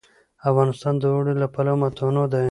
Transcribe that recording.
افغانستان د اوړي له پلوه متنوع دی.